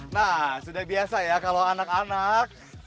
nah sudah biasa ya kalau anak anak